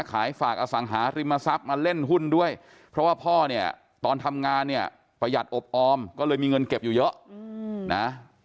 ขายฝากอสังหาริมทรัพย์มาเล่นหุ้นด้วยเพราะว่าพ่อเนี่ยตอนทำงานเนี่ยประหยัดอบออมก็เลยมีเงินเก็บอยู่เยอะนะ